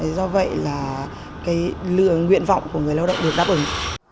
do vậy là cái nguyện vọng của người lao động được đáp ứng